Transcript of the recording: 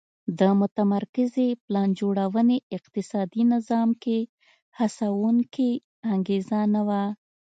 د متمرکزې پلان جوړونې اقتصادي نظام کې هڅوونکې انګېزه نه وه